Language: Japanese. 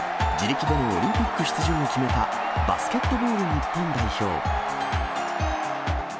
４８年ぶりに自力でのオリンピック出場を決めたバスケットボール日本代表。